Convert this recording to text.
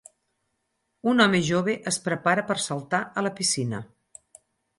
Un home jove es prepara per saltar a la piscina